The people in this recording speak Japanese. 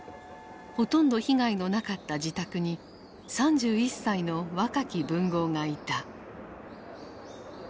ほとんど被害のなかった自宅に３１歳の若き文豪がいた。